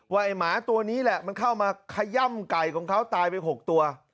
ไอ้หมาตัวนี้แหละมันเข้ามาขย่ำไก่ของเขาตายไป๖ตัว